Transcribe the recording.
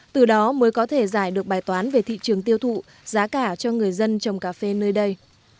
từ đó mới có thể giải được bài toán về thị trường tiêu thụ giá cả cho người dân trồng cà phê nơi đây